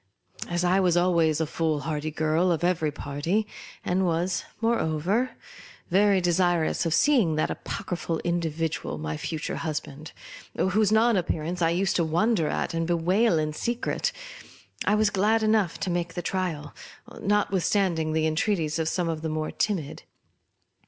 As I was always the foolhardy girl of every party, and was, moreover, very desirous of seeing that apocryphal individual, my fu ture husband (whose non appearance I used to wonder at and bewail in secret,) I was glad enough to make the trial, nothwithstanding the entreaties of some of the more timid.